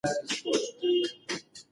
د وعدو ماتول يې اخلاقي کمزوري ګڼله.